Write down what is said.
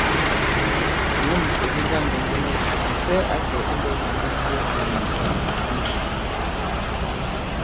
Ìwûmsɛ̀ di ŋgandòmbu nik, Mìsɛ ǎ kɛ̀ imbɔ̄k nyǎŋ nu mboŋ ì ìwùùsàgà i Kribi.